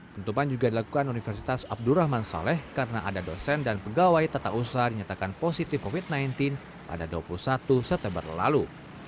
penutupan juga dilakukan universitas abdurrahman saleh karena ada dosen dan pegawai tata usaha dinyatakan positif covid sembilan belas pada dua puluh satu september lalu